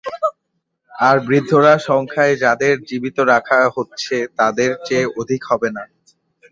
আর বৃদ্ধরা সংখ্যায় যাদের জীবিত রাখা হচ্ছে, তাদের চেয়ে অধিক হবে না।